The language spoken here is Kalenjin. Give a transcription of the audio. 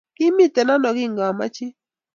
Kimite ano kingamachin